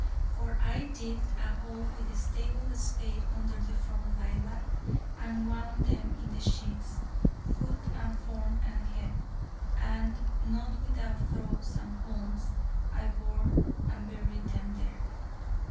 For I digged a hole with the stable spade under the front lilac; and I wound them in the sheets, foot and form and head; and, not without throes and qualms, I bore and buried them there.